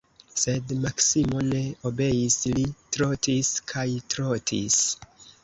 Sed Maksimo ne obeis, li trotis kaj trotis.